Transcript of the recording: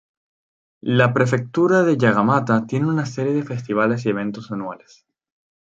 La prefectura de Yamagata tiene una serie de festivales y eventos anuales.